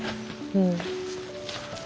うん。